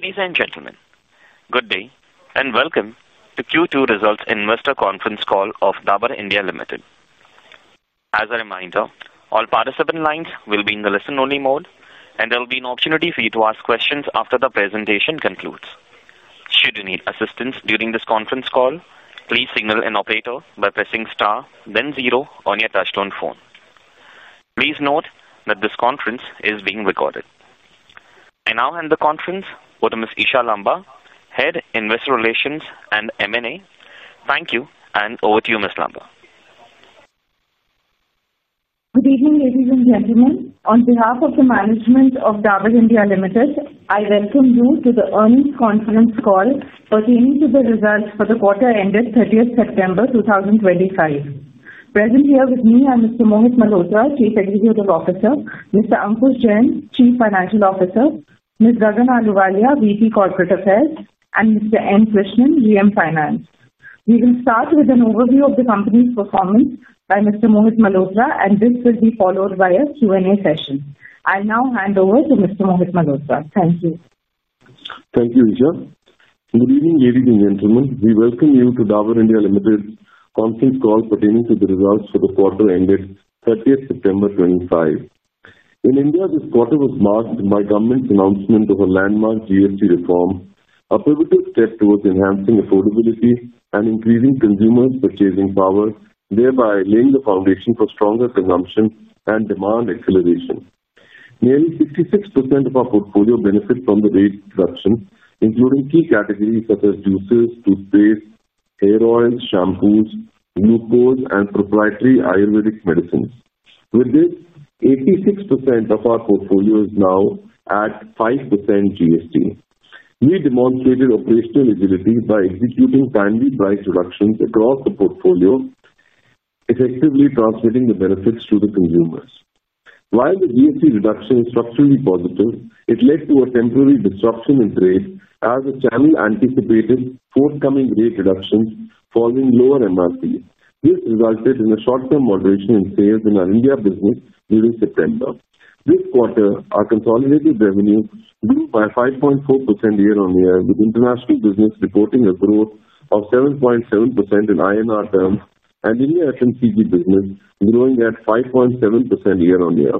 Ladies and gentlemen, good day and welcome to Q2 Results Investor Conference Call of Dabur India Limited. As a reminder, all participant lines will be in the listen only mode and there will be an opportunity for you to ask questions after the presentation concludes. Should you need assistance during this conference call, please signal an operator by pressing star then zero on your touchstone phone. Please note that this conference is being recorded. I now hand the conference over to Ms. Isha Lamba, Head of Investor Relations and M&A. Thank you. Over to you, Ms. Lamba. Good evening ladies and gentlemen. On behalf of the management of Dabur India Limited, I welcome you to the earnings conference call pertaining to the results for the quarter ended 30th September 2025. Present here with me are Mr. Mohit Malhotra, Chief Executive Officer, Mr. Ankush Jain, Chief Financial Officer, Ms. Gagan Ahluwalia, Vice President, Corporate Affairs, and Mr. N. Krishnan, GM, Finance. We will start with an overview of the company's performance by Mr. Mohit Malhotra, and this will be followed by a Q and A session. I'll now hand over to Mr. Mohit Malhotra. Thank you. Thank you Isha. Good evening ladies and gentlemen. We welcome you to Dabur India Limited conference call pertaining to the results for the quarter ended 30th September 2025. In India, this quarter was marked by Government's announcement of a landmark GST reform, a pivotal step towards enhancing affordability and increasing consumers' purchasing power, thereby laying the foundation for stronger consumption and demand acceleration. Nearly 56% of our portfolio benefits from the rate reduction, including key categories such as juices, toothpaste, hair oils, shampoos, mucos, and proprietary Ayurvedic medicines. With this, 86% of our portfolio is now at 5% GST. We demonstrated operational agility by executing timely price reductions across the portfolio, effectively transmitting the benefits to the consumers. While the GST reduction is structurally positive, it led to a temporary disruption in trade as the channel anticipated forthcoming rate reductions following lower MRP. This resulted in a short-term moderation in sales in our India business. During September this quarter, our consolidated revenue grew by 5.4% year on year, with international business reporting a growth of 7.7% in INR terms and India FMCG business growing at 5.7% year on year.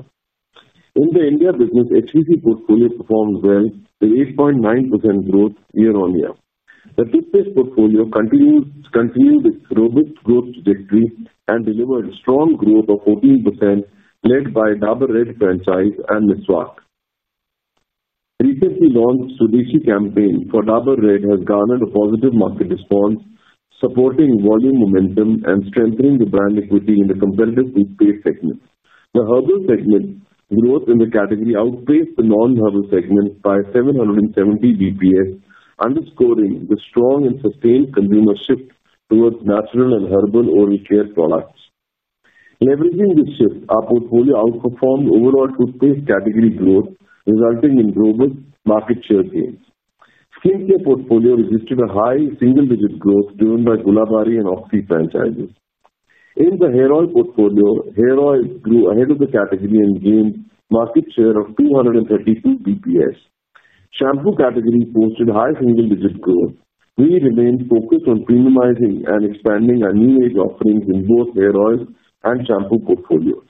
In the India business, HVC portfolio performed well, 8.9% growth year on year. The Fitbase portfolio continued its robust growth trajectory and delivered a strong growth of 14%, led by Dabur Red franchise and Meswak. Recently launched Swadeshi campaign for Dabur Red has garnered a positive market response, supporting volume momentum and strengthening the brand equity in the competitive toothpaste segment. The herbal segment growth in the category outpaced the non-herbal segment by 770 bps, underscoring the strong and sustained consumer shift towards natural and herbal oral care products. Leveraging this shift, our portfolio outperformed overall toothpaste category growth, resulting in global market share gains. Skin care portfolio registered a high single-digit growth driven by Gulabari and Oxy franchises. In the hair oil portfolio, hair oil grew ahead of the category and gained market share of 232 bps. Shampoo category posted high single-digit growth. We remain focused on premiumizing and expanding our new age offerings in both hair oil and shampoo portfolios.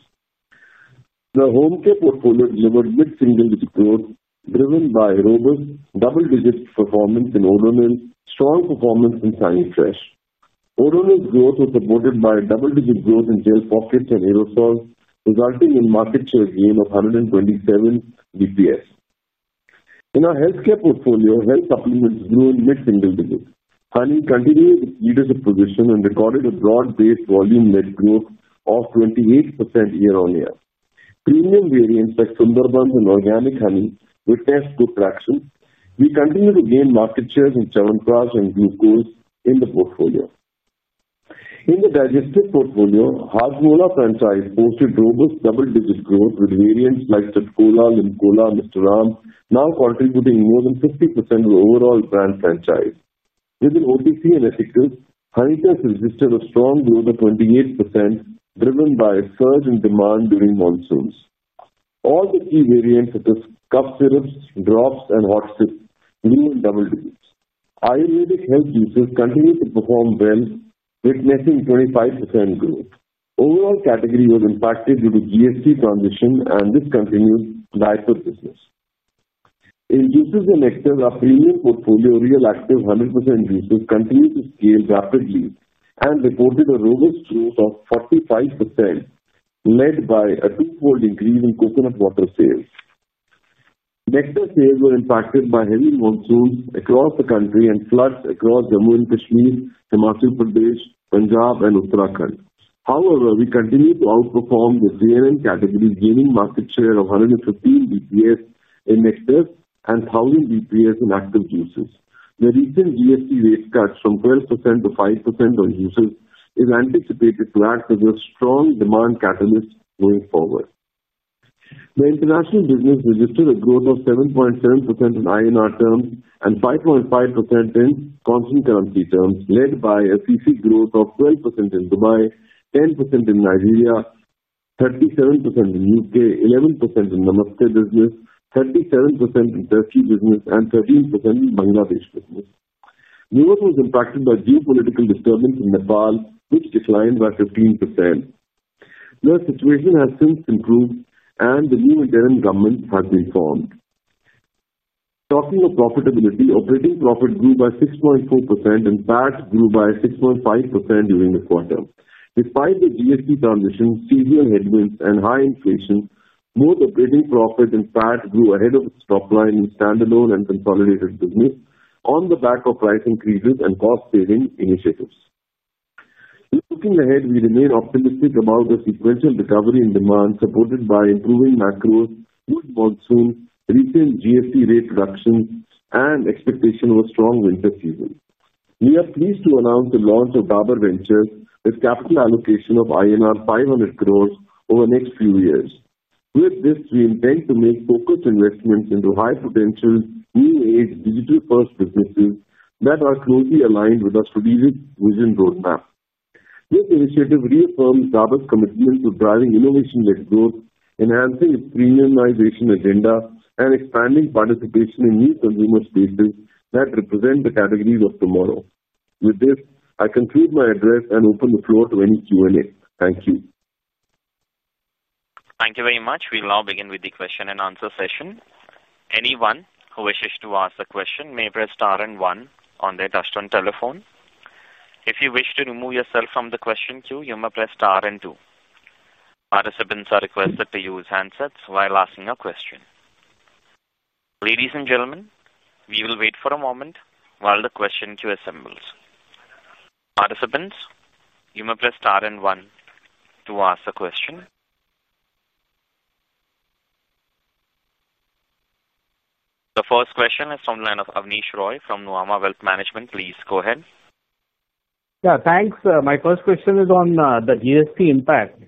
The Home Care portfolio delivered mid-single-digit growth driven by robust double-digit performance in ornaments. Strong performance in Sanifresh. Overall growth was supported by double-digit growth in gel pockets and aerosols, resulting in market share gain of 127 bps. In our healthcare portfolio, health supplements grew in mid-single digits. Sani continued its leadership position and recorded a broad-based volume net growth of 28% year on year. Premium variants like Sunderbans and Organic Honey witnessed good traction. We continue to gain market shares in Chyawanprash and Glucose in the portfolio. In the Digestive Portfolio, Hajmola franchise posted robust double-digit growth with variants like Chatcola, LimCola, and Mr. Aam now contributing more than 50% to the overall brand franchise. Within OTC and [Ethicus], Honitus registered a strong growth of 28% driven by a surge in demand during monsoons. All the key variants such as cough syrups, drops, and hot sips grew in double digits. Ayurvedic health uses continued to perform well, witnessing 25% growth. Overall category was impacted due to GST transition, and this continued life of business in juices and active. Our premium portfolio, Real Activ 100% juices, continued to scale rapidly and reported a robust growth of 45% led by a twofold increase in coconut water sales. Nectar sales were impacted by heavy monsoons across the country and floods across Jammu and Kashmir, Himachal Pradesh, Punjab, and Uttarakhand. However, we continue to outperform the [CSD] category, gaining market share of 115 bps in nectars and 1,000 bps in active juices. The recent GST rate cuts from 12% to 5% on juices are anticipated to act as a strong demand catalyst going forward. The international business registered a growth of 7.7% in INR terms and 5.5% in constant currency terms, led by a CC growth of 12% in Dubai, 10% in Nigeria, 37% in U.K., 11% in Namaste business, 37% in tertiary business, and 13% in Bangladesh business. New Delhi was impacted by geopolitical disturbance in Nepal, which declined by 15%. The situation has since improved and the new interim government has been formed. Talking of profitability, operating profit grew by 6.4% and PAT grew by 6.5% during the quarter. Despite the GST transition, seasonal headwinds, and high inflation, more operating profit and PAT grew ahead of its top line in standalone and consolidated business on the back of price increases and cost-saving initiatives. Looking ahead, we remain optimistic about the sequential recovery in demand supported by improving macros, good monsoon, recent GST rate reductions, and expectation of a strong winter season. We are pleased to announce the launch of Dabur Ventures with capital allocation of INR 500 crore over the next few years. With this, we intend to make focused investments into high potential new age digital-first businesses that are closely aligned with our strategic vision roadmap. This initiative reaffirms Dabur's commitment to driving innovation-led growth, enhancing its premiumization agenda, and expanding participation in new consumer spaces that represent the categories of tomorrow. With this, I conclude my address and open the floor to any Q&A. Thank you. Thank you very much. We now begin with the question and answer session. Anyone who wishes to ask the question may press star and one on their touch-tone telephone. If you wish to remove yourself from the question queue, you may press star and two. Participants are requested to use handsets while asking a question. Ladies and gentlemen, we will wait for a moment while the question queue assembles participants. You may press star and one to ask the question. The first question is from the line of Abneesh Roy from Nuama Wealth Management. Please go ahead. Yeah, thanks. My first question is on the GST impact.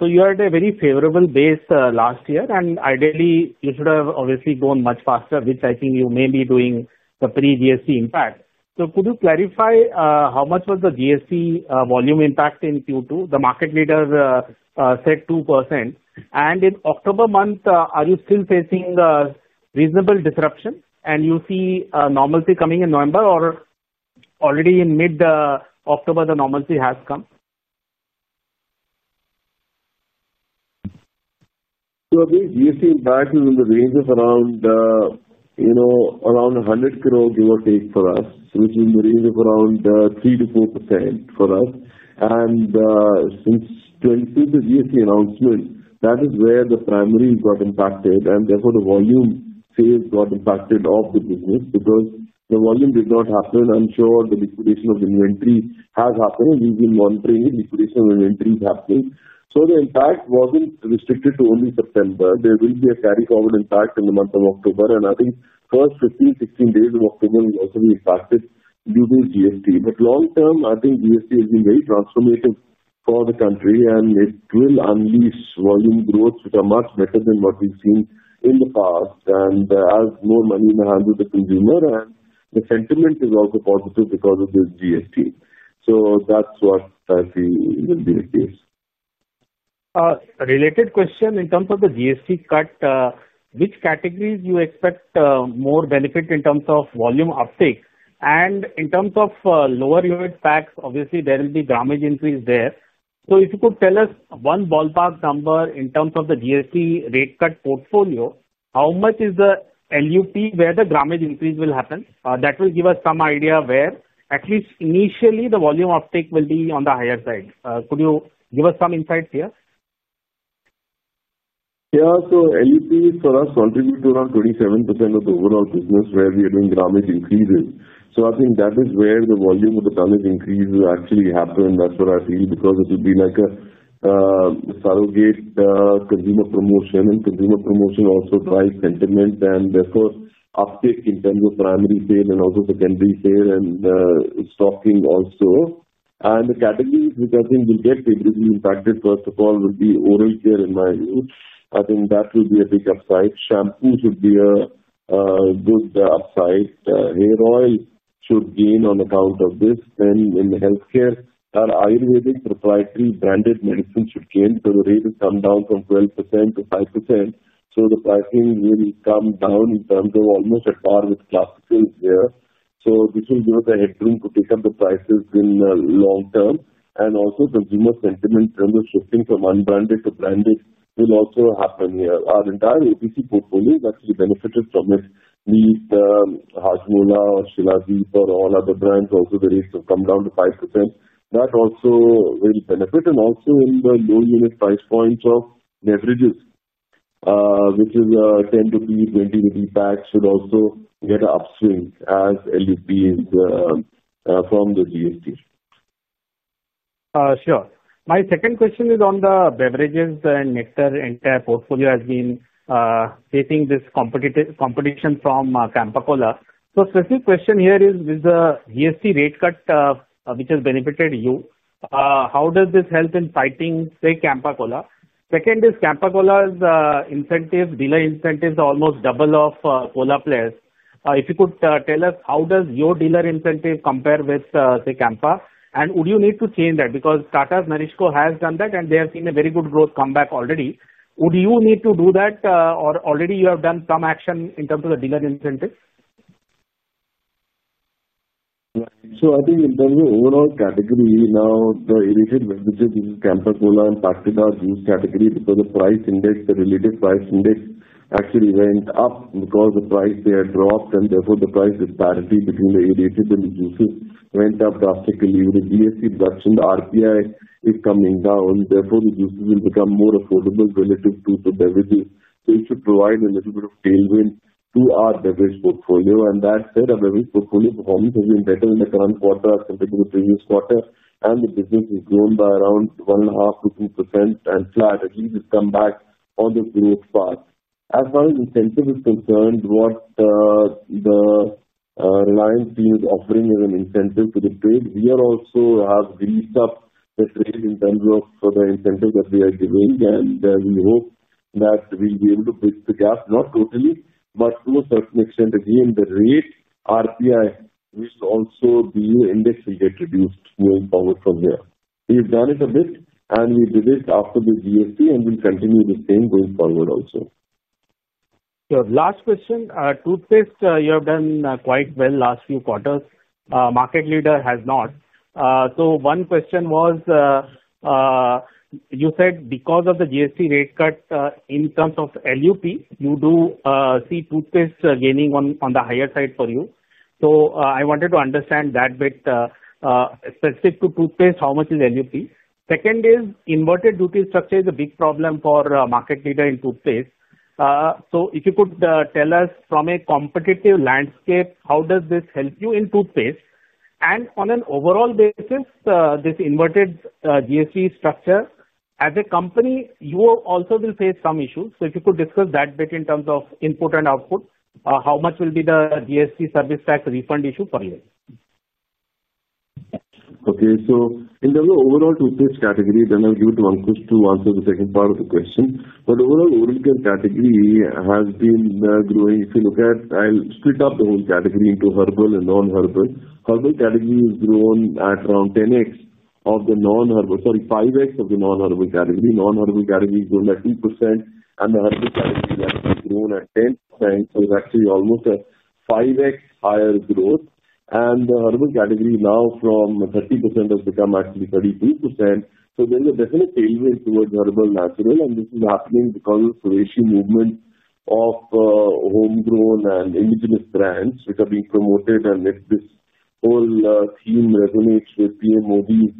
You are at a very favorable base last year and ideally you should have obviously gone much faster, which I think you may be doing the pre-GST impact. Could you clarify how much was the GST volume impact in Q2? The market leader said 2%. In October month, are you still facing reasonable disruption and do you see normalcy coming in November, or already in mid-October the normalcy has come? GST impact is in the range of around 100 crore, give or take for us, which is in the range of around 3%-4% for us. Since the GST announcement, that is where the primary got impacted and therefore the volume sales got impacted off the business because the volume did not happen. I'm sure the liquidation of inventory has happened. We've been monitoring, liquidation of inventory is happening. The impact wasn't restricted to only September. There will be a carry forward impact in the month of October, and I think first 15, 16 days of October will also be impacted. Long term, I think GST has been very transformative for the country and it will unleash volume growth which are much better than what we've seen in the past and has more money in the hands of the consumer. The sentiment is also positive because of this GST. That's what I feel will be the case. Related question in terms of the GST cut, which categories you expect more benefit in terms of volume uptake and in terms of lower unit packs. Obviously, there will be grammage increase there. If you could tell us one ballpark number in terms of the GST rate cut portfolio, how much is the LUP where the grammage increase will happen? That will give us some idea where at least initially the volume uptake will be on the higher side. Could you give us some insights here? Yes. LUP for us contribute to around 27% of the overall business where we are doing grammar increases. I think that is where the volume of the tonnage increase will actually happen. That's what I feel because it will be like a surrogate consumer promotion. Consumer promotion also drives sentiment and therefore uptick in terms of primary sale and also secondary sale and stocking also. The categories which I think will get negatively impacted first of all would be oral care in my view, I think that will be a big upside. Shampoo should be a good upside. Hair oil should gain on account of this. In healthcare our Ayurvedic proprietary branded medicine should change. The rate has come down from 12% to 5%. The pricing will come down in terms of almost at par with classical. This will give us a headroom to pick up the prices in long term. Also, consumer sentiment in terms of shifting from unbranded to branded will also happen here. Our entire APC portfolio has actually benefited from it, be it Hajmola or Shilajit or all other brands. Also, the rates have come down to 5% that also will benefit and also in the low unit price points of beverages which is INR 10, INR 20 pack should also get an upswing as LUP is from the GST. Sure. My second question is on the beverages and Nectar entire portfolio has been facing this competitive competition from Campa Cola. Specific question here is with the GST rate cut which has benefited you, how does this help in fighting say Campa Cola? Second is Campa Cola's incentive delay incentives almost double of Cola players. If you could tell us how does your dealer incentive compare with say Campa and would you need to change that because Tata's NourishCo has done that and they have seen a very good growth come back already. Would you need to do that or already you have done some action in terms of the dealer incentives. I think in terms of overall category now the aerated webinar and Pakistan are juice category because the price index, the related price index actually went up because the price they had dropped and therefore the price disparity between the aerated and the juices went up drastically. With the GST production, the RPI is coming down. Therefore the juices will become more affordable relative to the beverages. It should provide a little bit of tailwind to our beverage portfolio. That said, our beverage portfolio performance has been better in the current quarter compared to the previous quarter and the business has grown by around 1.5%-2% and flat. At least it's come back on the growth path. As far as incentive is concerned, what the Reliance team is offering is an incentive to the trade. We also have greased up the trade in terms of the incentives that we are giving and we hope that we be able to bridge the gap not totally, but to a certain extent. Again the rate [RPI] is also [BU] index will get reduced going forward from there. We've done it a bit and we did it after the GST and we'll continue the same going forward also. Your last question, toothpaste, you have done quite well last few quarters. Market leader has not. One question was you said because of the GST rate cut in terms of LUP, you do see toothpaste gaining on the higher side for you. I wanted to understand that bit specific to toothpaste. How much is LUP? Second is inverted duty structure is a big problem for market leader in toothpaste. If you could tell us from a competitive landscape, how does this help you in toothpaste? On an overall basis, this inverted GST structure as a company you also will face some issues. If you could discuss that bit in terms of input and output, how much will be the GST service tax refund issue for years? Okay, so in terms of overall toothpaste category, I'll give it to Ankush to answer the second part of the question. Overall, oral care category has been growing. If you look at, I'll split up the whole category into herbal and non-herbal. Herbal category has grown at around 5x of the non-herbal category. Non-herbal category has grown at 2% and the herbal category has grown at 10%, actually almost a 5x higher growth. The herbal category now from 30% has become actually 32%. There's a definite tailwind towards herbal natural. This is happening because of the movement of homegrown and indigenous brands which are being promoted. This whole theme resonates with PM Modi's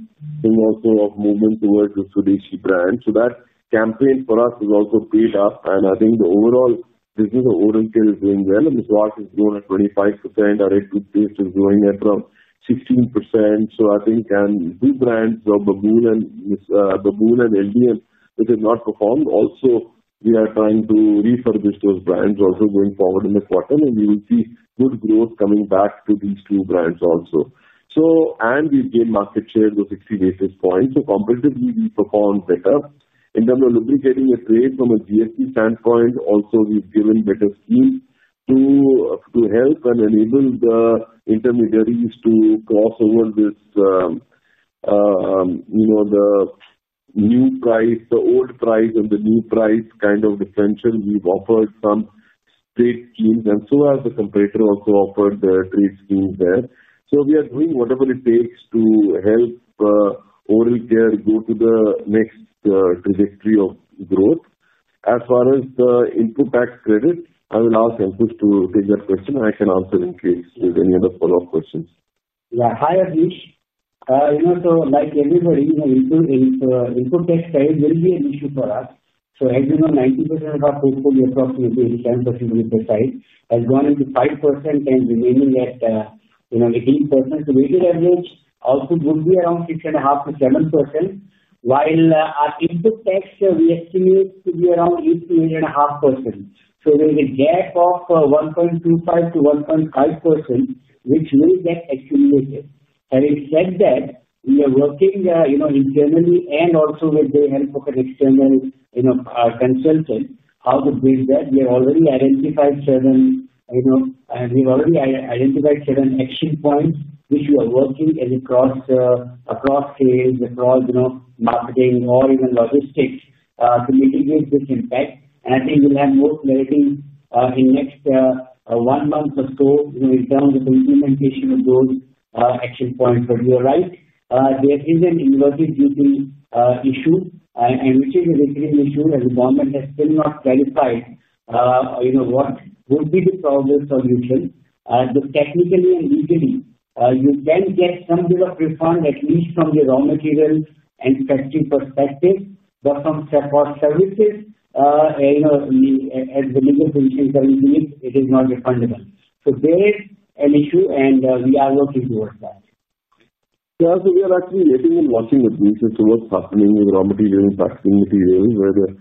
thing also of movement towards the Swadeshi brand. That campaign for us has also paid up. I think the overall business of oral care is doing well. The swart has grown at 25%. Our egg toothpaste is growing at around 16%. I think new brands, Babool and [LDM], which have not performed, also we are trying to refurbish those brands going forward in the quarter and you will see good growth coming back to these two brands also. We've gained market share, the 60 basis points. Competitively, in terms of lubricating trade from a GST standpoint, we've given better schemes to help and enable the intermediaries to cross over this new price, the old price and the new price kind of differential. We've offered some trade schemes and so has the competitor also offered the trade schemes there. We are doing whatever it takes to help Oral Care go to the next trajectory of growth. As far as the input tax credit, I will ask Ankush to take that question and I can answer in case there's any other follow up questions. Hi Ankush. Like everybody, input tax will be an issue for us. As you know, 90% of our portfolio approximately in terms of utility has gone into 5% and remaining at 18%. Weighted average output would be around 6.5%-7% while our input tax we estimate to be around 8%-8.5%. There is a gap of 1.25%-1.5% which will get accumulated. Having said that, we are working internally. Also with the help of an external consultant how to bridge that. We have already identified seven. We've already identified certain action points which we are working across sales, across marketing, or even logistics to mitigate this impact. I think we'll have more clarity in next one month or so in terms of implementation of those action points. You're right, there is an inverted duty issue, which is a recurring issue as the government has still not clarified what would be the problem solution. Technically and legally you can get some sort of refund at least from the raw material and factory perspective from services as the legal functions it is not refundable. There is an issue and we are working towards that. Yeah, so we are actually waiting and watching the brief as to what's happening with raw materials and packaging materials where their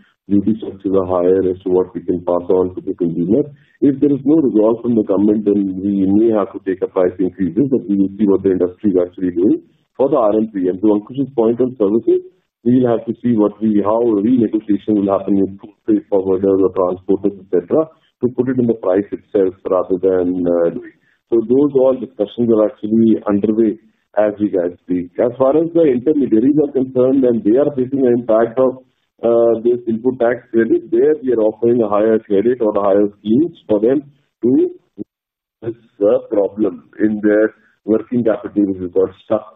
structures are higher as to what we can pass on to the consumer. If there is no resolve from the government, then we may have to take a price increase. We will see what the industry is actually doing for the raw material and packaging. To Ankush's point on services, we will have to see how renegotiation will happen with freight forwarders or transporters, et cetera, to put it in the price itself. Those discussions are actually underway as you guys speak as far as the intermediaries are concerned, and they are facing the impact of this input tax credit where we are offering a higher credit or higher schemes for them to address this problem in their working capital which has got stuck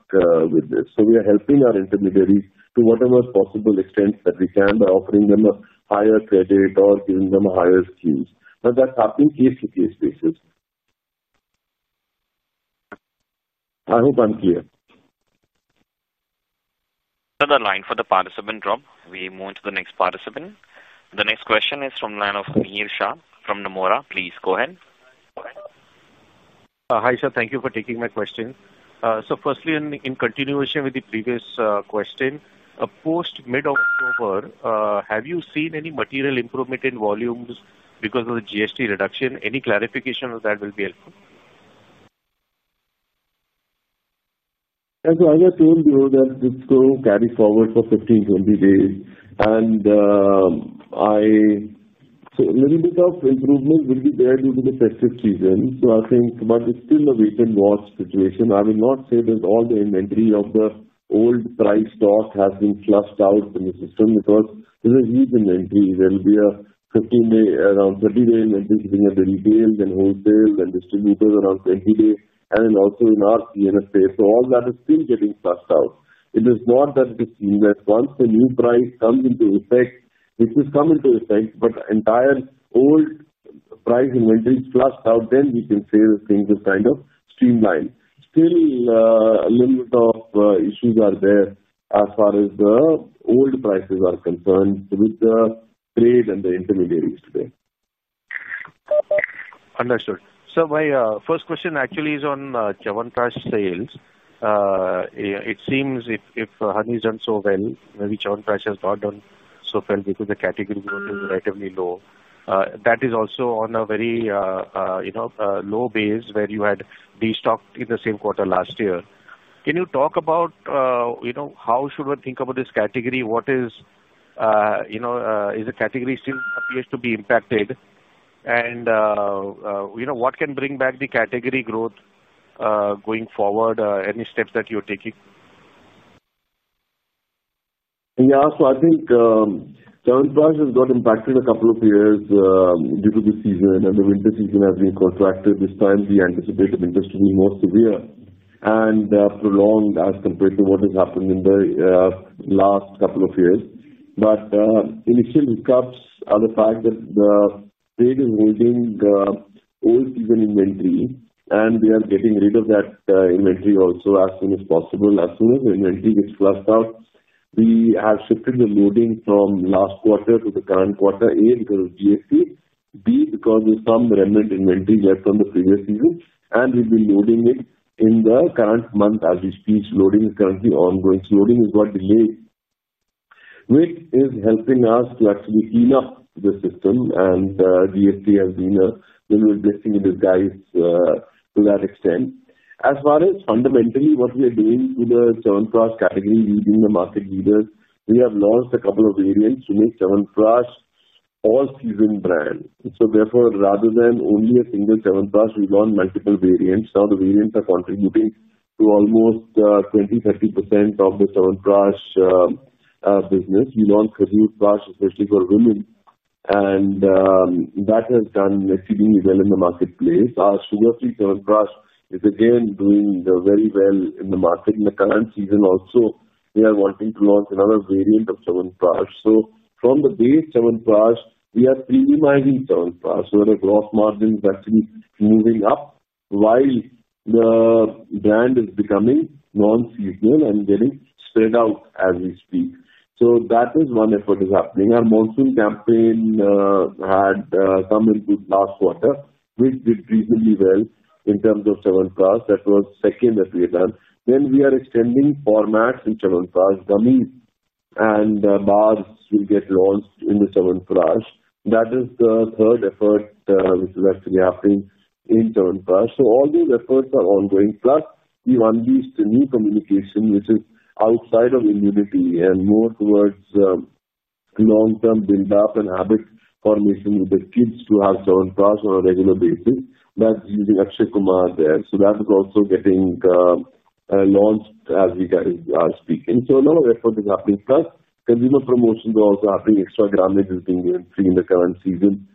with this. We are helping our intermediaries to whatever possible extent that we can by offering them a higher credit or giving them higher schemes. That's happening on a case-to-case basis. I hope I'm clear. Another line for the participant drop. We move to the next participant. The next question is from the line of Mihir Shah from Nomura. Please go ahead. Hi sir, thank you for taking my question. Firstly, in continuation with the previous question, post mid-October, have you seen any material improvement in volumes because of the GST reduction? Any clarification of that will be helpful. As I told you, this will carry forward for 15, 20 days. A little bit of improvement will be there due to the festive season. I think it's still a wait and watch situation. I will not say that all the inventory of the old price stock has been flushed out in the system because there's a huge inventory. There'll be around 30 day retail, then wholesale and distributors around 20 days, and also in our CMS space. All that is still getting flushed out. It is not that once the new price comes into effect, it has come into effect but the entire old price inventory is flushed out. Then we can say that things are kind of streamlined. Still, a little bit of issues are there as far as the old prices are concerned with the trade and the intermediaries today. Understood. My first question actually is on Chyawanprash sales. It seems if Honey has done so well, maybe Chyawanprash has not done so well because the category growth is relatively low. That is also on a very low base where you had destocked in the same quarter last year. Can you talk about how should we think about this category? Is the category still appears to be impacted and what can bring back the category growth going forward? Any steps that you're taking? Yeah. I think Chyawanprash has got impacted a couple of years due to the season, and the winter season has been contracted. This time we anticipate the business to be more severe and prolonged as compared to what has happened in the last couple of years. Initial hiccups are the fact that the trade is holding old season inventory, and we are getting rid of that inventory also as soon as possible. As soon as inventory gets flushed out, we have shifted the loading from last quarter to the current quarter, A because of GST, B because there's some remnant inventory left from the previous season, and we've been loading it in the current month as we speak. Loading is currently ongoing. Loading is what delayed, which is helping us to actually clean up the system. GST has been a blessing in disguise to that extent as far as fundamentally what we are doing to the Chyawanprash category. Leading the market leaders, we have launched a couple of variants to make Chyawanprash an all-season brand. Therefore, rather than only a single Chyawanprash, we launched multiple variants. Now the variants are contributing to almost 20%-30% of the Chyawanprash business. We launched a toothbrush especially for women, and that has done exceedingly well in the marketplace. Our sugar free is again doing very well in the market in the current season. Also, we are wanting to launch another variant of Chyawanprash. From the base Chyawanprash, we are premiumizing Chyawanprash where the gross margin is actually moving up while the brand is becoming non-seasonal and getting spread out as we speak. That is one effort that is happening. Our monsoon campaign had come in good last quarter, which did reasonably well in terms of Chyawanprash. That was second that we had done. We are extending formats in Chyawanprash. Gummies and bars will get launched in the Chyawanprash. That is the third effort which is actually happening in Chyawanprash. All those efforts are ongoing. Plus, we have unleashed new communication which is outside of immunity and more towards long-term build up and habit formation with the kids to have children on a regular basis. That's using Akshay Kumar there. That is also getting launched as we are speaking. A lot of effort is happening. Plus, consumer promotions are also happening. Extra garment is being given free in the current season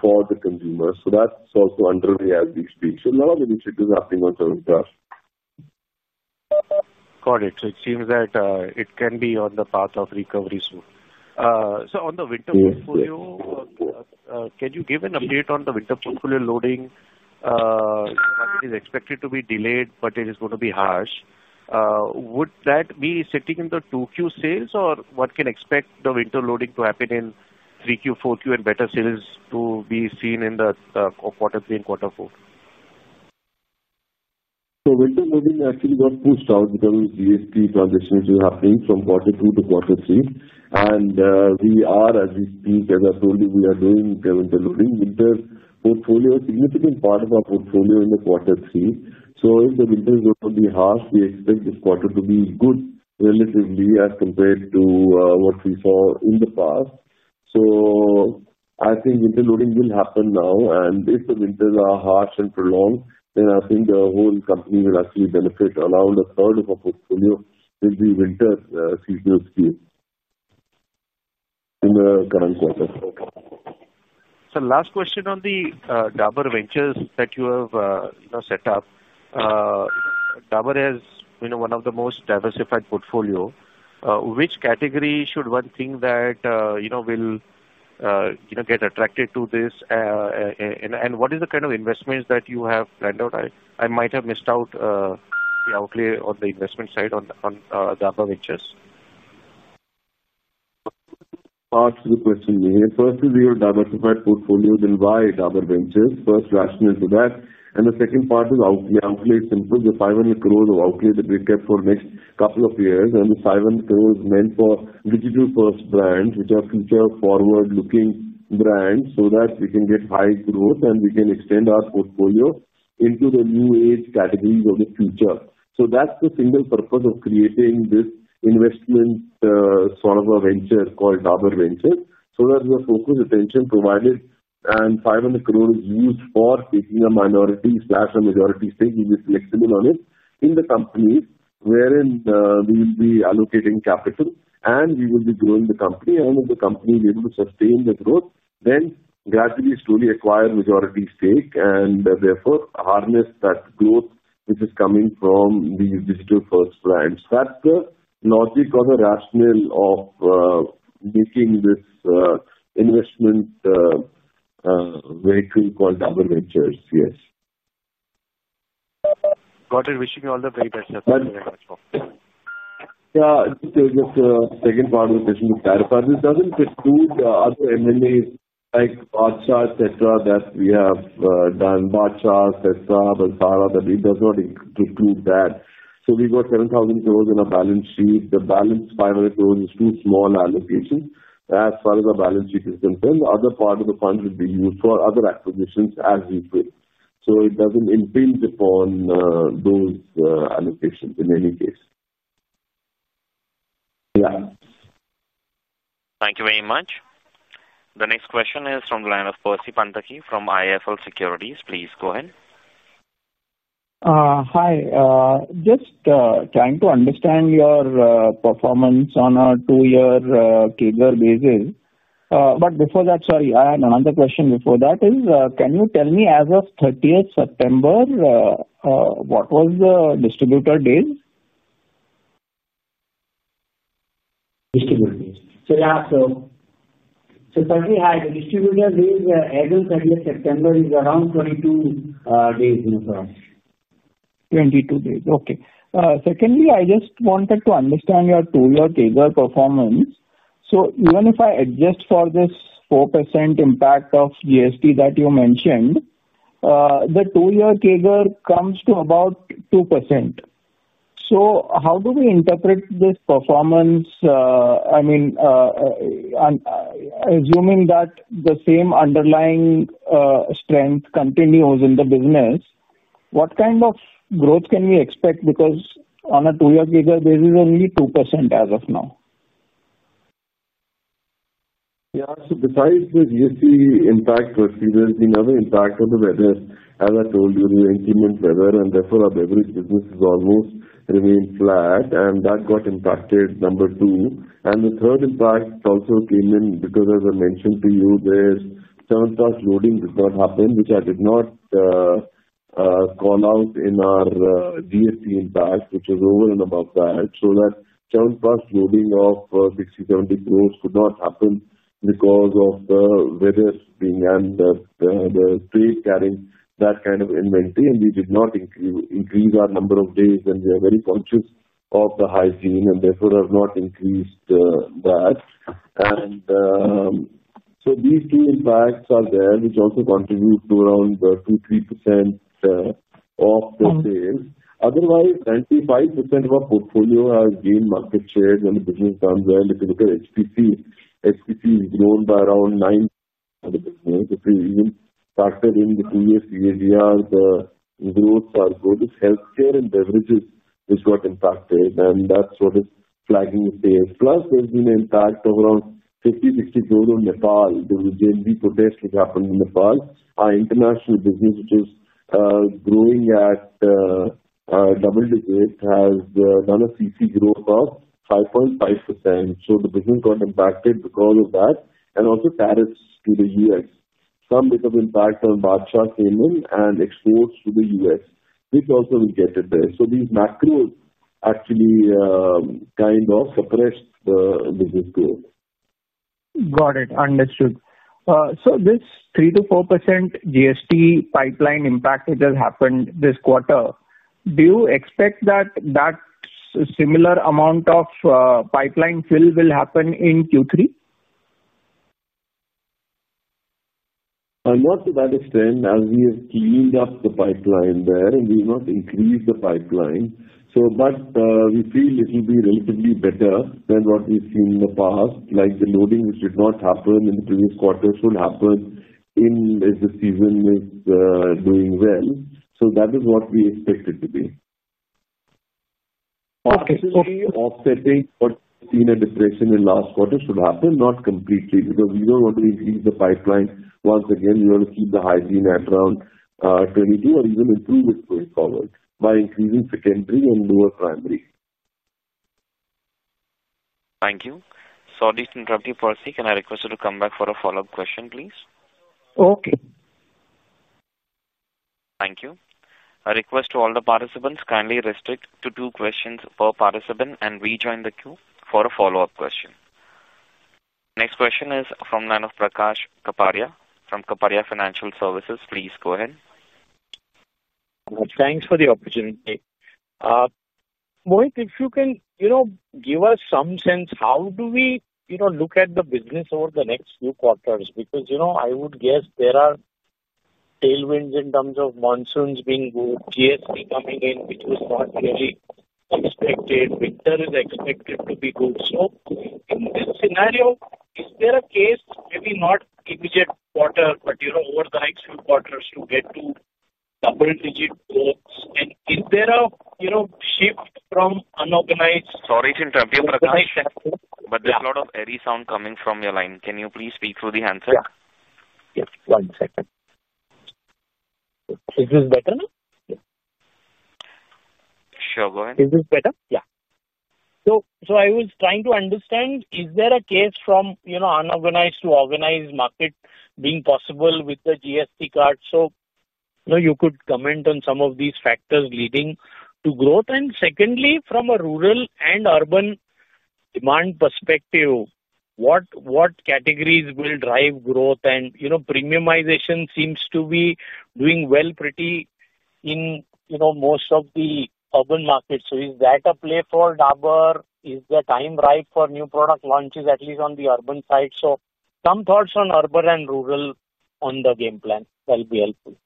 for the consumers. That's also underway as we speak. A lot of initiatives happening on Chyawanprash. Got it. It seems that it can be on the path of recovery soon. On the winter portfolio, can you give an update on the winter portfolio? Loading is expected to be delayed, but it is going to be harsh. Would that be sitting in the 2Q sales, or can one expect the winter loading to happen in 3Q, 4Q, and better sales to be seen in quarter 3 and quarter 4? Winter loading actually got pushed out because GST transitions were happening from quarter 2 to quarter 3. As I told you, we are doing the loading winter portfolio, a significant part of our portfolio, in quarter 3. If the winter is going to be harsh, we expect this quarter to be good relatively as compared to what we saw in the past. I think interloading will happen now, and if the winters are harsh and prolonged, then I think the whole company will actually benefit around a third of a in the winter seasonal scheme in the current quarter. Last question on the Dabur Ventures that you have set up. Dabur has been one of the most diversified portfolio. Which category should one think that will get attracted to this and what is the kind of investments that you have planned out? I might have missed out the outlay on the investment side on Dabur Ventures. To the question, first is your diversified portfolio, then why Dabur Ventures, first rationale to that. The second part is outlay. Outlay is simple. The 500 crore outlay that we kept for the next couple of years, and the 500 crore is meant for digital-first brands, which are future forward-looking brands, so that we can get high growth and we can extend our portfolio into the new age categories of the future. That's the single purpose of creating this investment sort of a venture called Dabur Ventures, so that the focused attention is provided and 500 crore is used for taking a minority or a majority stake. We'll be flexible on it in the company wherein we will be allocating capital and we will be growing the company. If the company will be able to sustain the growth, then gradually, slowly acquire majority stake and therefore harness that growth which is coming from the digital-first brands. That's the logic or the rationale of making this investment vehicle called Dabur Ventures. Yes. Got it. Wishing you all the very best. Yeah, just second part of the question with [Sonepat], it doesn't exclude other MMAs like Badshah, etc. that we have done, bacha, etc. It does not include that. We got 7,000 crores in our balance sheet. The balance 500 crores is too small an allocation as far as the balance sheet is concerned. The other part of the fund would be used for other acquisitions as you print. It doesn't impinge upon those allocations in any case. Yeah. Thank you very much. The next question is from the line of Percy Panthaki from IIFL Securities. Please go ahead. Hi, just trying to understand your performance on a two year CAGR basis. Before that. Sorry, I had another question before. That is, can you tell me as of 30th September what was the distributor days? Distribute? So. Yeah. So. So. Hi, the distributor days as of 30th September is around 22 days. 22 days. Okay. Secondly, I just wanted to understand your two year table performance. Even if I adjust for this 4% impact of GST that you mentioned, the two year CAGR comes to about 2%. How do we interpret this performance? I mean. Assuming that the same underlying strength continues in the business, what kind of growth can we expect? Because on a two year CAGR this is only 2% as of now. Yes. Besides the GST impact, firstly there's been other impact on the weather. As I told you, the inclement weather and therefore our beverage business has almost remained flat and that got impacted, number two. The third impact also came in because, as I mentioned to you, there's loading did not happen, which I did not call out in our GST impact, which is over and above that. That loading of 60 crore-70 crore could not happen because of the weather and the trade carrying that kind of inventory. We did not increase our number of days and we are very conscious of the hygiene and therefore have not increased that. These two impacts are there, which also contribute to around 2%-3% of the sales. Otherwise, 95% of our portfolio has gained market share when the business comes. If you look at HPC, HPC has grown by around 9 if we even started in the previous year. The growths are good. Healthcare and beverages, which got impacted, and that's what is flagging. Plus, there's been an impact of around INR 50 crore-INR 60 crore on Nepal. The general Nepal, our international business, which is growing at double digit, has done a CC growth of 5.5%. The business got impacted because of that. Also, tariffs to the U.S., some bit of impact on Badshah came in and exports to the U.S., which also we get addressed. These macros actually kind of suppressed the business growth. Got it. Understood. This 3%-4% GST pipeline impact, it has happened this quarter. Do you expect that similar amount of pipeline fill will happen in Q3? Not to that extent. As we have cleaned up the pipeline there and we've not increased the pipeline, but we feel it will be relatively better than what we've seen in the past. The loading which did not happen in the previous quarter should happen in the season is doing well. That is what we expect it to be. Offsetting what seen a depression in last quarter should happen, not completely because we don't want to increase the pipeline once again. We want to keep the hygiene at around 22 or even improve it going forward by increasing secondary and lower primary. Thank you. Sorry to interrupt your policy. Can I request you to come back for a follow-up question, please? Okay. Thank you. I request all the participants, kindly restrict to two questions per participant and rejoin the queue for a follow up question. Next question is from Mr. Prakash Kaparia from Kapadia Financial Services. Please go ahead. Thanks for the opportunity. Mohit, if you can give us some sense, how do we look at the business over the next few quarters? I would guess there are tailwinds in terms of monsoons being good, GST coming in, which was not really expected. Winter is expected to be good. In this scenario, is there a case, maybe not immediate quarter, but over the next few quarters to get to double digit goals and is there a shift from unorganized? Sorry to interrupt your organization, but there's a lot of airy sound coming from your line. Can you please speak through the answer? Yes, one second. Is this better now? Sure, go ahead. Is this better? Yeah. So. I was trying to understand, is there a case from, you know, unorganized to organized market being possible with the GST card? Could you comment on some of these factors leading to growth? Secondly, from a rural and urban demand perspective, what categories will drive growth? Premiumization seems to be doing well pretty in most of the urban markets. Is that a play for Dabur? Is the time right for new product launches at least on the urban side? Some thoughts on urban and rural on the game plan that'll be helpful.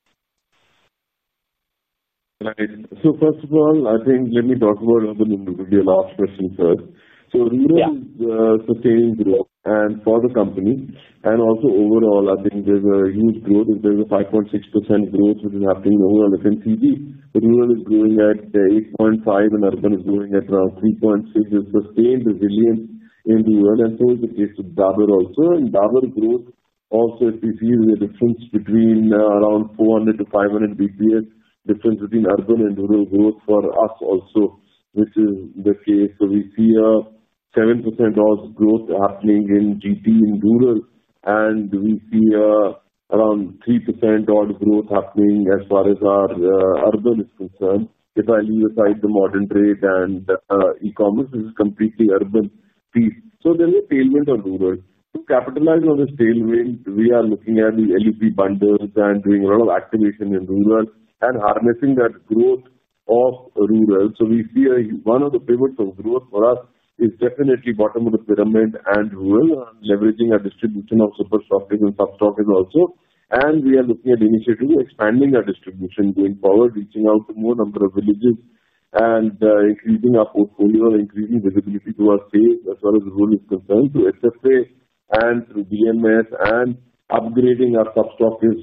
First of all, I think, let me talk about urban and rural question first. Rural is sustaining growth for the company and also overall, I think there's a huge growth. There's a 5.6% growth which is happening overall in FMCG. The rural is growing at 8.5% and urban is growing at around 3%, sustained resilience in the world. In the case of Dabur also, and Dabur growth also, if you see the difference, there's around 400-500 bps difference between urban and rural growth for us also, which is the case. We see a 7% odd growth happening in GP in rural and we see around 3% odd growth happening as far as our urban exposure. If I leave aside the modern trade and e-commerce, this is completely urban feet. There is a tailwind of rural. To capitalize on this tailwind, we are looking at the LUP bundles and doing a lot of activation in rural and harnessing that growth of rural. We see one of the pivots of growth for us is definitely bottom of the pyramid and rural, leveraging our distribution of superstructuring and substocking also. We are looking at initiatives expanding our distribution going forward, reaching out to more number of villages and increasing our portfolio, increasing visibility to our sales as far as the rural is concerned through SFA and through BMS and upgrading our sub stockists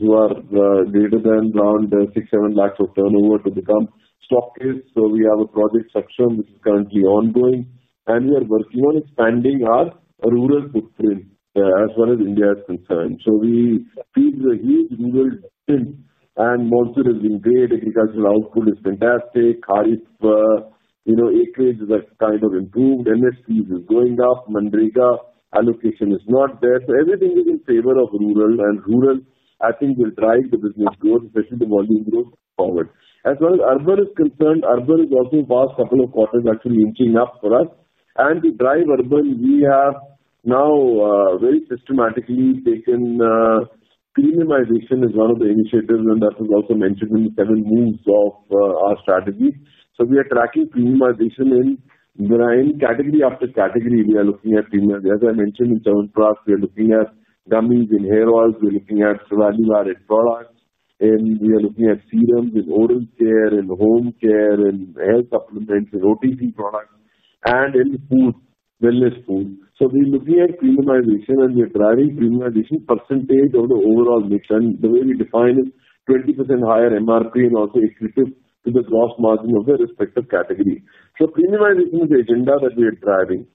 greater than around 6 lakh, 7 lakh of turnover to become stockists. We have a project [Suction] which is currently ongoing and we are working on expanding our rural footprint as far as India is concerned. We feel a huge rural and monsoon has been great. Agricultural output is fantastic, acreage is kind of improved, MSP is going up, MGNREGA allocation is not there. Everything is in favor of rural and rural, I think, will drive the business growth, especially the volume growth forward as far as urban is concerned. Urban is also, last couple of quarters, actually inching up for us. To drive urban, we have now very systematically taken premiumization as one of the initiatives and that was also mentioned in the seven moves of our strategy. We are tracking premiumization in category after category. We are looking at premiums, as I mentioned, in terms of, we are looking at dummies and hair oils, we are looking at survival added products, and we are looking at serums with oral care and Home Care and hair supplementary rotating products and in food, wellness food. We're looking at premiumization and we're driving premiumization percentage of the overall mix, and the way we define it, 20% higher MRP and also accretive to the gross margin of the respective category. Premiumization is the agenda that we are driving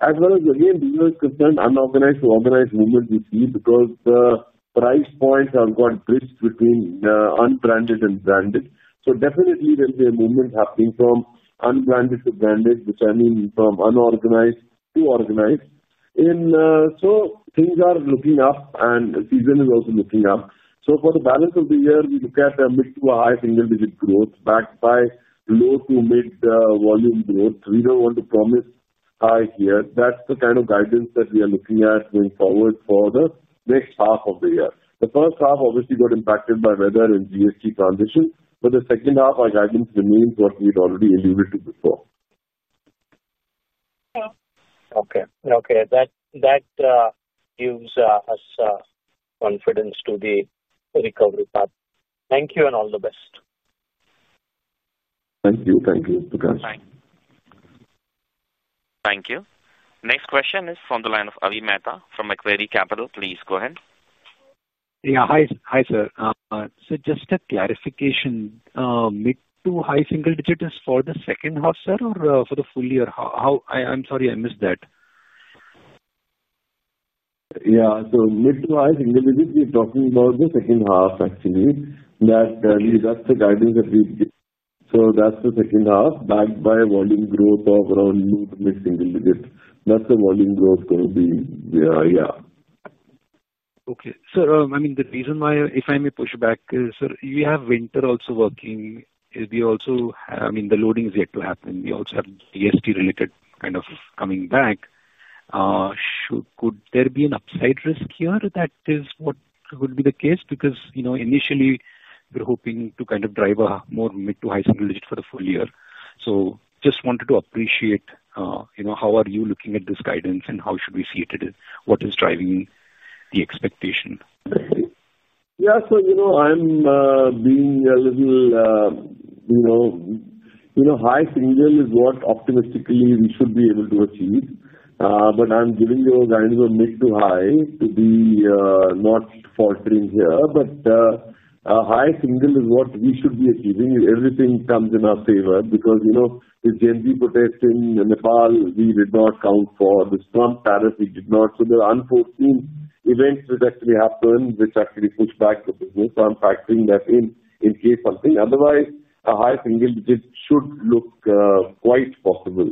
as well as again unorganized to organized movement we see because the price points are quite bridged between unbranded and branded. There'll be a movement happening from unbranded to branded, which I mean from unorganized to organized. Things are looking up and season is also looking up. For the balance of the year we look at mid- to high-single-digit growth backed by low to mid volume growth. We don't want to promise high here. That's the kind of guidance that we are looking at going forward for the next half of the year. The first half obviously got impacted by weather and GST transition, but the second half our guidance remains what we've already alluded to before. That gives us confidence to the recovery part. Thank you and all the best. Thank you. Thank you. Thank you. Next question is from the line of Alay Mehta from Macquarie Capital. Please go ahead. Yes, hi sir. Just a clarification, mid- to high-single-digit is for the second half, sir, or for the full year? I'm sorry, I missed that. Yeah, so mid- to high-single-digit, we're talking about the second half actually. That's the guidance that we, that's the second half backed by volume growth of around 2% single digit. That's the volume growth going to be. Yeah. Okay sir, the reason why if I may push back, we have winter also working. We also, I mean the loading is yet to happen. We also have DST related kind of coming back. Could there be an upside risk here? That is what would be the case because you know initially we're hoping to kind of drive a more mid- to high-single-digit for the full year. Just wanted to appreciate how are you looking at this guidance and how should we see it? What is driving the expectation? Yeah, so you know I'm being a little, you know, high single is what optimistically we should be able to achieve. I'm giving you a kind of a mid to high to be not faltering here, but a high single is what we should be achieving. Everything comes in our favor because, you know, with Gen Z protest in Nepal, we did not count for this Trump tariff. We did not. There are unforeseen events that actually happen which actually push back the business. I'm factoring that in case something, otherwise a high single digit should look quite possible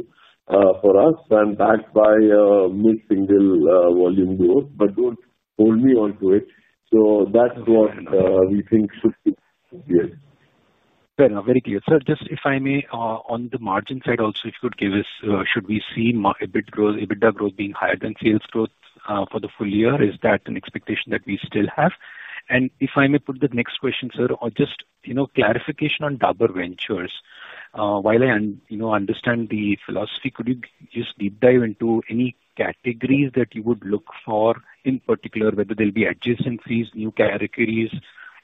for us and backed by mid single volume growth. Don't hold me onto it. That's what we think should be. Fair enough. Very clear, sir. Just if I may, on the margin side also, if you could give us, should we see EBITDA growth being higher than sales growth for the full year, is that an expectation that we still have? If I may put the next question, sir, just, you know, clarification on Dabur Ventures, while I, you know, understand the philosophy, could you just deep dive into any categories that you would look for? In particular, whether there'll be adjacencies, new categories,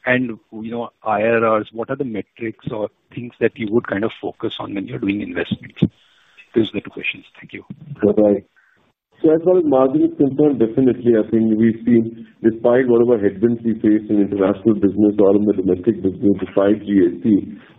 and you know, IRRs, what are the metrics or things that you would kind of focus on when you're doing investments? Those are the two questions. Thank you. As far as margin is concerned, definitely I think we've seen, despite whatever headwinds we face in international business or in the domestic business, the 5% GST,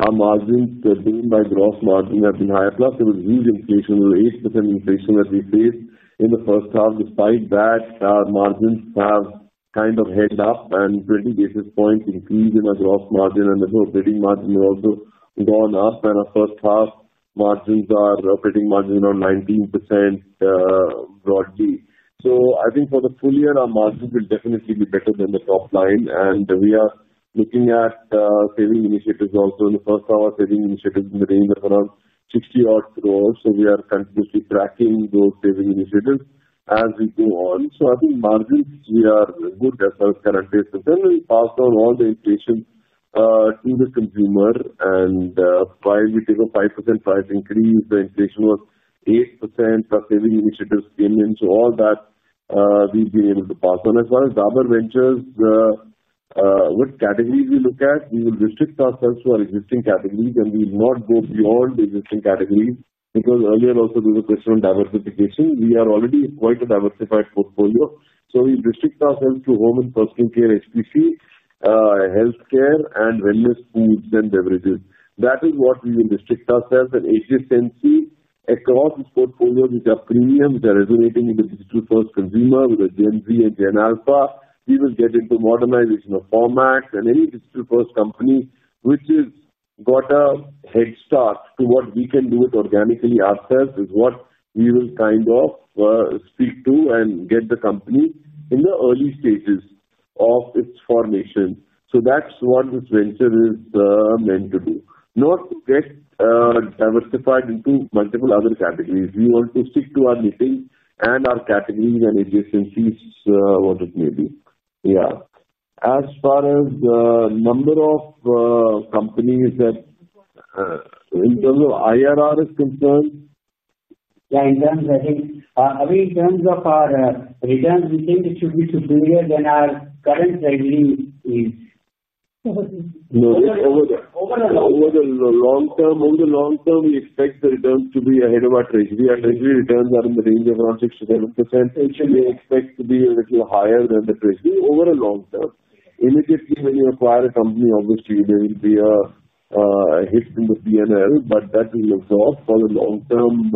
our margins gained by gross margin have been higher. Plus there was huge inflation, 8% inflation that we faced in the first half. Despite that, our margins have kind of held up and 20 basis points increase in our gross margin and the operating margin has also gone up and our first half margins are operating margins around 19% broadly. I think for the full year our margins will definitely be better than the top line. We are looking at saving initiatives also in the first half, saving initiatives in the range of around 60 odd crores. We are continuously tracking those saving initiatives as we go on. I think margins we are good as far as currently passed down all the inflation to the consumer. While we take a 5% price increase, the inflation was 8%, our saving initiatives came in. All that we've been able to pass on. As far as Dabur Ventures, what categories we look at, we will restrict ourselves to our existing categories and we will not go beyond existing categories because earlier also there was a question on diversification. We are already quite a diversified portfolio. We restrict ourselves to home and personal care, HPC, health care and wellness, foods and beverages. That is what we will restrict ourselves. As you can see across this portfolio, which are premiums that are resonating in the institutional first consumer with a Gen Z and Gen Alpha, we will get into modernization of formats and any digital-first company which has got a head start to what we can do it organically ourselves is what we will kind of speak to and get the company in the early stages of its formation. That's what this venture is meant to do, not to get diversified into multiple other categories. We want to stick to our meeting and our categories and adjacencies what it may be. As far as number of companies that in terms of IRR is concerned. In terms of our returns, we think it should be superior than our current revenue. Over the long term, we expect the returns to be ahead of our treasury. Our treasury returns are in the range of around 6%-7% and we expect to be a little higher than the treasury over a long term. Immediately when you acquire a company, obviously there will be a hit in the P&L, but that will absorb for the long term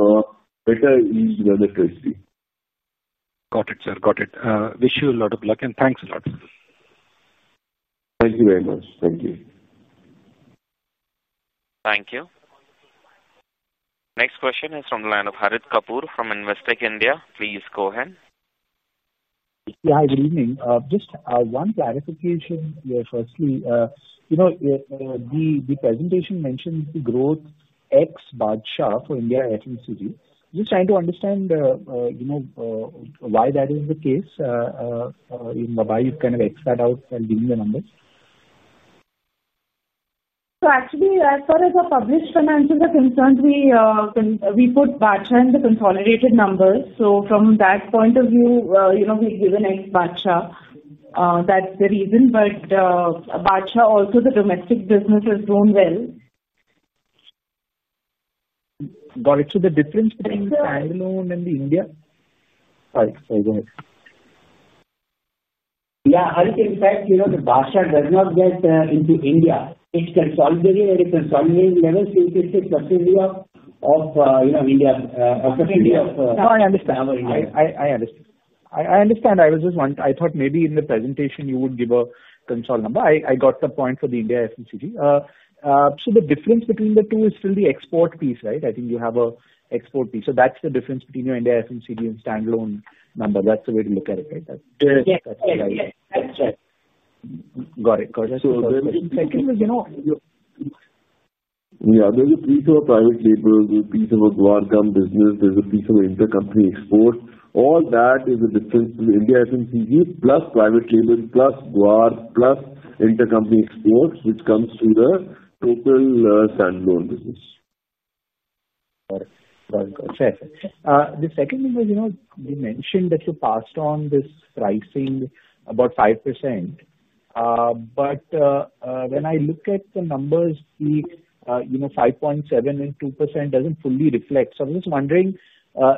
better yield. Got it, sir. Got it. Wish you a lot of luck and thanks a lot. Thank you very much. Thank you. Thank you. Next question is from the line of Harit Kapoor from Investec India. Please go ahead. Just one clarification. Firstly, you know the presentation mentioned the growth X Badshah for India FMCG. Just trying to understand why that is the case in Dubai. You kind of X that out by giving the numbers. As far as the published finances are concerned, we put Badshah in the consolidated numbers. From that point of view, we've given X Badshah. That's the reason. Also, the domestic business has grown well. Got it. The difference between standalone and the India. Yeah, I think that, you know, the Badshah does not get into India. It's consolidated at a consolidated level, sync of India. No, I understand. I understand. I was just one. I thought maybe in the presentation you would give a console number. I got the point for the India FMCG. The difference between the two is still the export piece, right? I think you have an export piece, so that's the difference between your India FMCG and standalone number. That's the way to look at it. Got it. Yeah. There's a piece of private label, piece of a guar gum business, there's a piece of intercompany export. All that is a difference to the India FMCG plus private label plus guar plus intercompany exports which comes through the total standalone business. The second thing was, you know, you mentioned that you passed on this pricing about 5% but when I look at the numbers, you know, 5.7% and 2% doesn't fully reflect. I was wondering,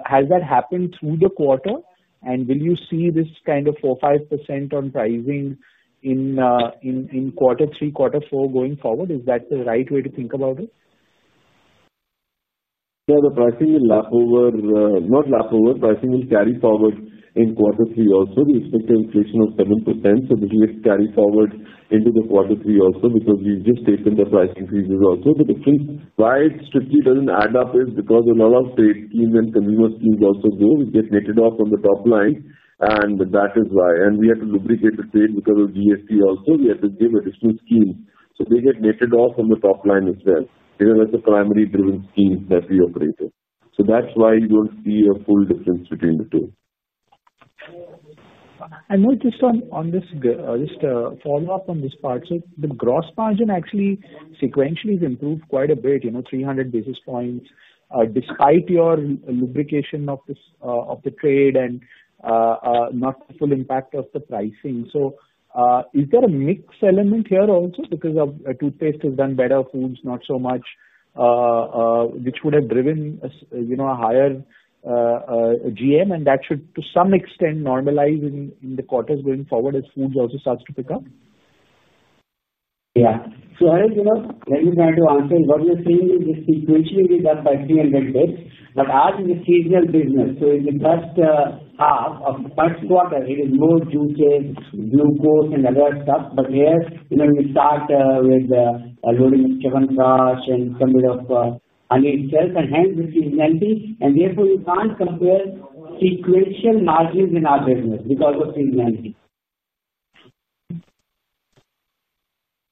has that happened through the quarter and will you see this kind of 4%-5% on pricing in quarter 3, quarter 4 going forward? Is that the right way to think about it? Yeah, the pricing will lap over. Not lap over, pricing will carry forward in quarter three. Also, we expect inflation of 7%. This will carry forward into quarter three also because we've just taken the price increases. The difference why it strictly doesn't add up is because a lot of across trade schemes and consumer schemes also get netted off on the top line, and that is why. We have to lubricate the trade because of GST; also, we have to give additional schemes, so they get netted off on the top line as well as the primary driven scheme that we operate in. That's why you don't see a full difference between the two. Just a follow up on this part. The gross margin actually sequentially has improved quite a bit, 300 basis points despite your lubrication of the trade and not the full impact of the pricing. Is there a mix element here also because toothpaste has done better, foods not so much, which would have driven a higher GM and that should to some extent normalize in the quarters going forward as food also starts to pick up. Yeah. As you know, when you try to answer what we're seeing is sequentially down by 300 bps. Ours is a seasonal business. In the first half of the first quarter it is more juices, Glucose, and other stuff. Here, you start with loading of Chyawanprash and some bit of Honey itself, and hence this is empty. Therefore, you can't compare sequential margins in our business because of seasonality.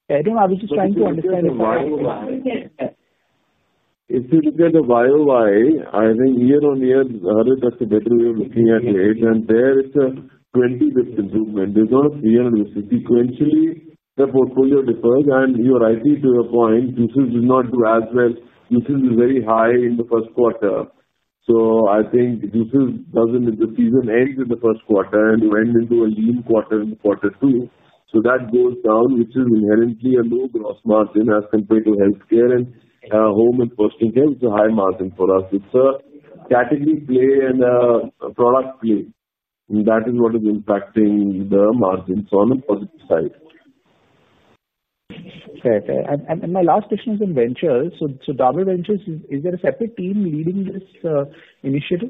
[Ankush], I was just trying to understand. If you look at the year on year, I think year on year looking at and there it's a 20% improvement. There's not a three year sequentially the portfolio differs and you are rightly to your point, this is not do as well very high in the first quarter. I think the season ends in the first quarter and you end into a lean quarter in quarter two. That goes down, which is inherently a low gross margin as compared to health care, and home and personal care is a high margin for us. It's a category play and a product play. That is what is impacting the margin. On the positive side. My last question is in Ventures. So Dabur Ventures, is there a separate team leading this initiative?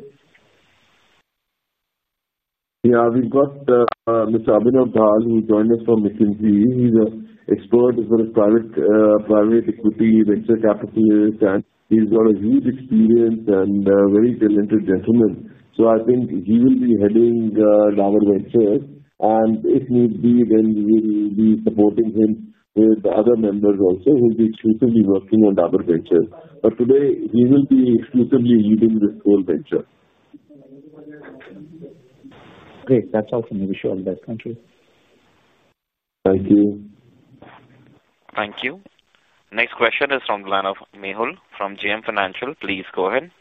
Yeah, we've got Mr. Abhinav Dhall who joined us from McKinsey. He's an expert as well as private equity venture capitalist and he's got a huge experience and very talented gentleman. I think he will be heading ventures and if need be then we'll be supporting him with other members also who will be exclusively working on Dabur Ventures. Today he will be exclusively leading this whole venture. Great. That's all for me. Wish you all the best, country. Thank you. Thank you. Next question is from Mehul from JM Financial. Please go ahead.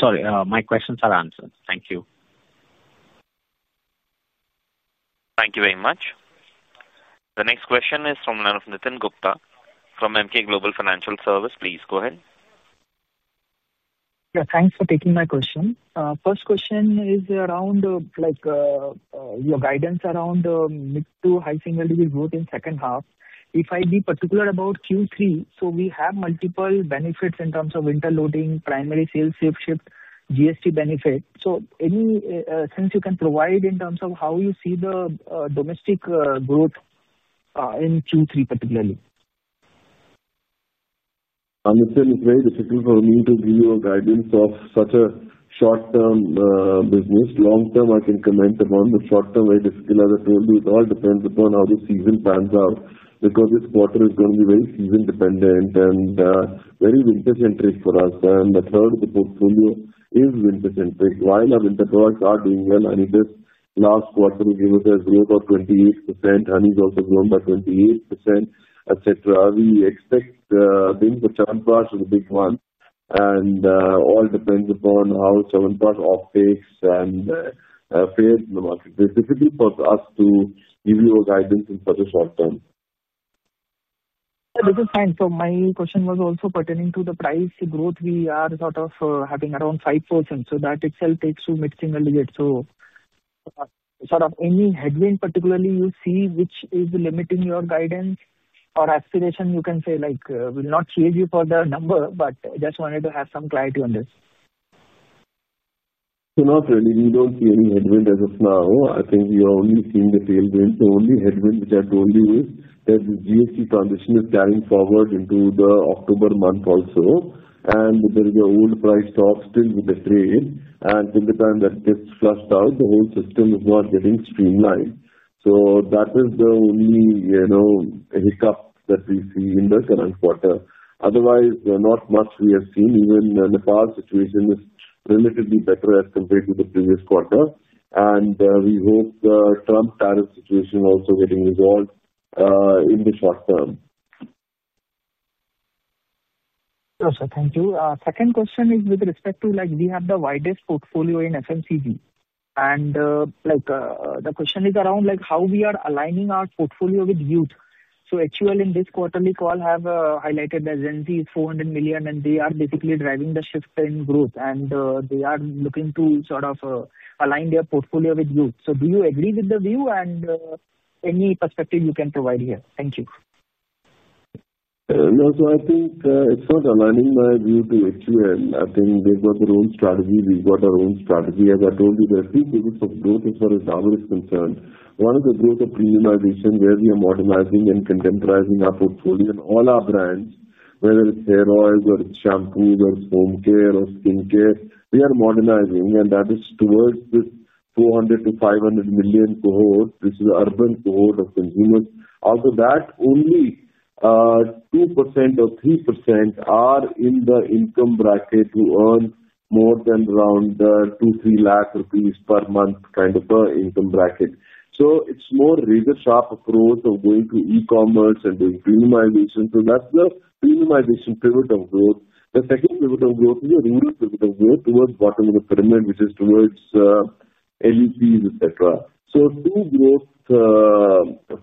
Sorry, my questions are answered. Thank you. Thank you very much. The next question is from Nitin Gupta from Emkay Global Financial Service. Please go ahead. Yeah, thanks for taking my question. First question is around your guidance around mid- to high-single-digit growth in second half. If I be particular about Q3, we have multiple benefits in terms of interloading, primary sales, shape shift, GST benefit. Any sense you can provide in terms of how you see the domestic growth in Q3 particularly? It's very difficult for me to give you a guidance of such a short term business. Long term I can comment upon, the short term where the skill level, it all depends upon how the season pans out because this quarter is going to be very season dependent and very winter centric for us, and a third of the portfolio is winter centric. While our winter products are doing well, Honey this last quarter will give us a growth of 28%. Honey has also grown by 28%, etc. We expect the Chyawanprash is a big one and all depends upon how Chyawanprash offtakes and is fielded in the market. It's difficult for us to give you a guidance in such a short term. This is fine. My question was also pertaining to the price growth. We are sort of having around 5%, so that itself takes to mid single digits. Any headwind particularly you see which is limiting your guidance or aspiration? You can say like will not save you for the number, but just wanted to have some clarity on this. Not really, we don't see any headwind as of now. I think we are only seeing the tailwind. The only headwind which I told you is that the GST transition is carrying forward into the October month also, and there is an old price stock still with the trade. Till the time that gets flushed out, the whole system is not getting streamlined. That is the only hiccup that we see in the current quarter. Otherwise, not much. We have seen even Nepal situation is relatively better as compared to the previous quarter, and we hope the Trump tariff situation also getting resolved in the short term. Thank you. Second question is with respect to like we have the widest portfolio in FMCG, and the question is around like how we are aligning our portfolio with youth. So HUL in this quarterly call have highlighted that Gen Z is 400 million and they are basically driving the shift in growth, and they are looking to sort of align their portfolio with youth. Do you agree with the view? Could you provide any perspective here? Thank you. I think it's not aligning my view to hn. I think they've got their own strategy, we've got our own strategy. As I told you, there are two pillars of growth as far as Dabur is concerned. One is the growth of premiumization where we are modernizing and contemporizing our portfolio and all our brands. Whether it's hair oils, whether it's shampoo, whether it's Home Care or skin care, we are modernizing and that is towards this 400-500 million cohort. This is an urban cohort of consumers. Out of that, only 2% or 3% are in the income bracket who earn more than around 2 lakh, 3 lakh rupees per month kind of income bracket. It's a more razor-sharp approach of going to e-commerce and doing premiumization. That's the premiumization pivot of growth. The second pivot of growth is a renewal pivot of growth towards the bottom of the pyramid, which is towards LUP, etc. Two growth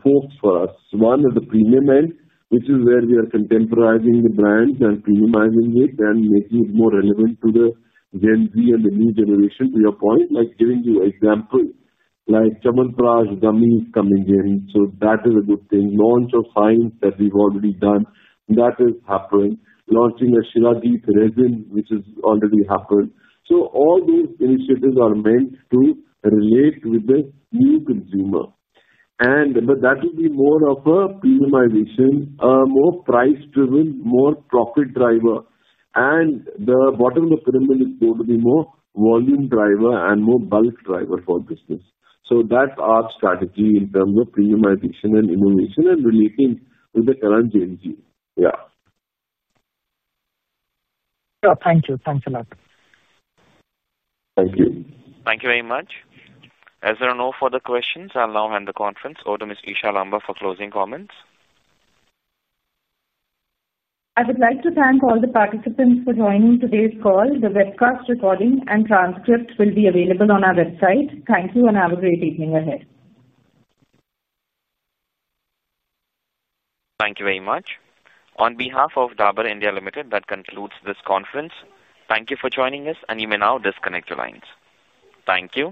folks for us: one is the premium end, which is where we are contemporizing the brands and premiumizing it and making it more relevant to the Gen Z and the new generation. To your point, like giving you examples like Chyawanprash gummies coming in, that is a good thing. Launch of science that we've already done, that is happening. Launching a Shilajit resin, which has already happened. All those initiatives are meant to relate with the new consumer, but that will be more of a premium vision, more price-driven, more profit driver, and the bottom of the pyramid is going to be more volume driver and more bulk driver for business. That's our strategy in terms of premiumization and innovation and relating to the current Gen Z. Thank you. Thanks a lot. Thank you. Thank you very much. As there are no further questions, I'll now hand the conference over to Ms. Isha Lamba for closing comments. I would like to thank all the participants for joining today's call. The webcast recording and transcript will be available on our website. Thank you and have a great evening ahead. Thank you very much. On behalf of Dabur India Limited, that concludes this conference. Thank you for joining us, and you may now disconnect your lines. Thank you.